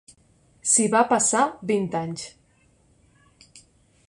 S'hi va passar vint anys.